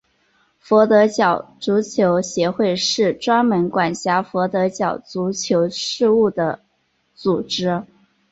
佛得角足球协会是专门管辖佛得角足球事务的组织。